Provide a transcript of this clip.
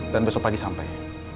dan besok pagi sampai